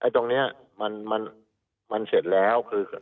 ตรงนี้มันเสร็จแล้วคือ